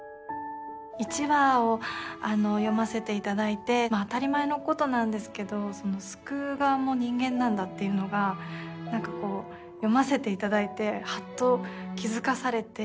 １話を読ませていただいて当たり前のことなんですけど救う側も人間なんだっていうのが読ませていただいてハッと気付かされて。